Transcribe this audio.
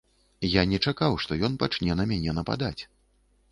Я не чакаў, што ён пачне на мяне нападаць.